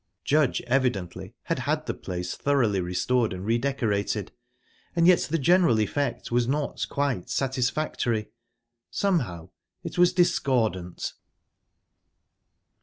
Judge evidently had had the place thoroughly restored and redecorated. And yet the general effect was not quite satisfactory. Somehow, it was _discordant...